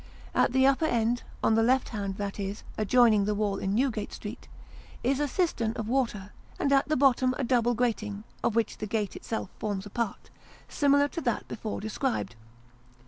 At the upper end, on the left hand that is, adjoining the wall in Newgate Street is a cistern of water, and at the bottom a double grating (of which the gate itself forms a part) similar to that before described.